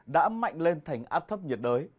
đã mạnh lên thành áp thấp nhiệt đới